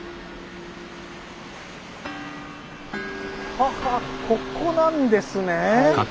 ははここなんですね。